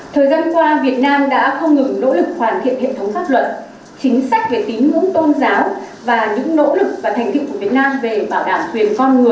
thời gian qua việt nam đã không ngừng nỗ lực hoàn thiện hệ thống pháp luật chính sách về tín ngưỡng tôn giáo và những nỗ lực và thành tựu của việt nam về bảo đảm quyền con người